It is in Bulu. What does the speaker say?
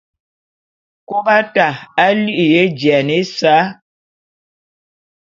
Kôbata a li'iya éjiane ésa.